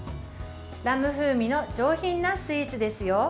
ラム風味の上品なスイーツですよ。